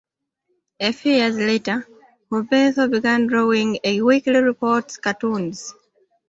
A few years later, Hubenthal began drawing a weekly sports cartoons.